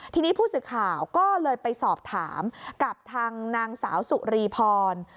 ทีนี้ผู้สื่อข่าวก็เลยไปสอบถามกับทางนางสาวสุรีพร